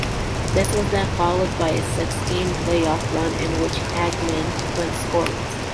This was then followed by a six-game playoff run in which Hagman went scoreless.